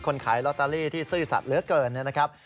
ขายลอตเตอรี่ที่ซื่อสัตว์เหลือเกินนะครับ